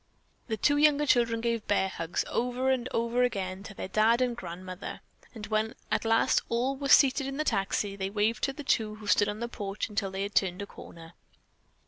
The two younger children gave "bear hugs," over and over again, to their dad and grandmother, and when at last all were seated in the taxi, they waved to the two who stood on the porch until they had turned a corner.